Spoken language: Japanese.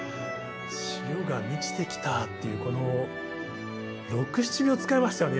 「潮が満ちてきた」っていうこの６７秒使いましたよね